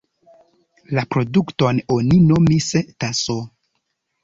La produkton oni nomis "taso".